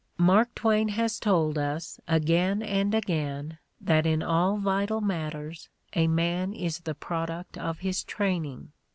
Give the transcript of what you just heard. Mark Twain has told us again and again that in all vital matters a man is the product of his training.